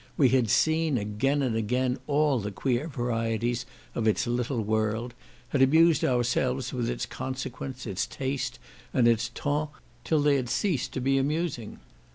We had seen again and again all the queer varieties of it's little world; had amused ourselves with it's consequence, it's taste, and it's ton, till they had ceased to be amusing.